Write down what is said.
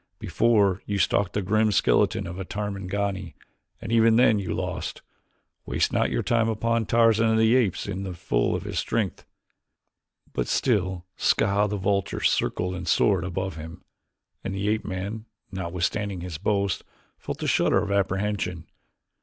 Before, you stalked the grim skeleton of a Tarmangani and even then you lost. Waste not your time upon Tarzan of the Apes in the full of his strength." But still Ska, the vulture, circled and soared above him, and the ape man, notwithstanding his boasts, felt a shudder of apprehension.